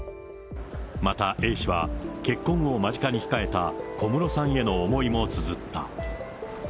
またＡ氏は結婚を間近に控えた小室さんへの思いもつづった。